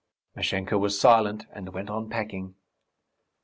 Mashenka was silent and went on packing.